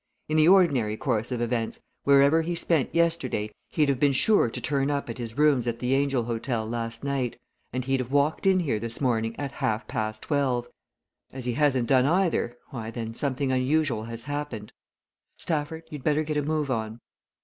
In the ordinary course of events, wherever he spent yesterday, he'd have been sure to turn up at his rooms at the 'Angel' hotel last night, and he'd have walked in here this morning at half past twelve. As he hasn't done either, why, then, something unusual has happened. Stafford, you'd better get a move on."